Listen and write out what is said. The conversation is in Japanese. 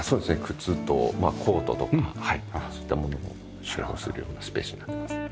靴とコートとかそういったものを収納するようなスペースになってます。